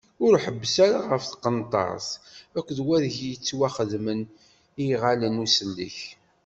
Ur ḥebbes ara ɣef tqenṭert, akked wadeg yettwaxedmen i yiɣallen n usellek.